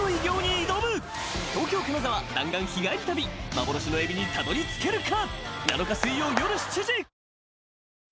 ［幻のエビにたどり着けるか］